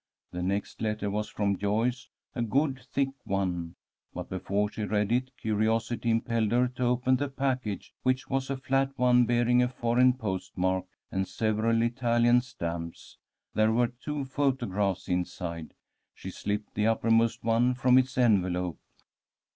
The next letter was from Joyce, a good thick one. But before she read it, curiosity impelled her to open the package, which was a flat one, bearing a foreign postmark and several Italian stamps. There were two photographs inside. She slipped the uppermost one from its envelope.